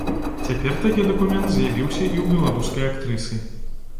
Цяпер такі дакумент з'явіўся і ў беларускай актрысы.